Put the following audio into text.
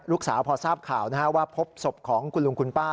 ลูกสาวพอทราบข่าวว่าพบศพของคุณลุงคุณป้า